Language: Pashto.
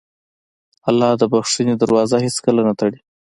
الله د بښنې دروازه هېڅکله نه تړي.